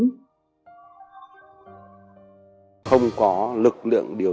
chúng ta sẽ không thể nào đạt được kết quả mong muốn